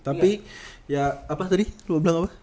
tapi ya apa tadi gue bilang apa